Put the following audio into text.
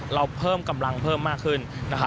เราเพิ่มกำลังเพิ่มมากขึ้น